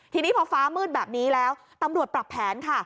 ทีนี้พอฟ้ามืดแบบนี้แล้วตำรวจปรับแผนค่ะ